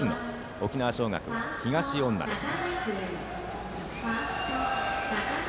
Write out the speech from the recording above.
沖縄尚学は東恩納です。